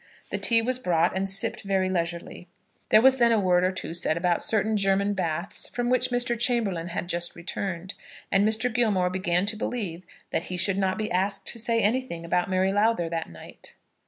The tea was brought, and sipped very leisurely. There was then a word or two said about certain German baths from which Mr. Chamberlaine had just returned; and Mr. Gilmore began to believe that he should not be asked to say anything about Mary Lowther that night.